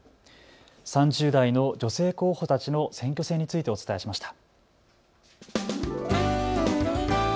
３０代の女性候補たちの選挙戦についてお伝えしました。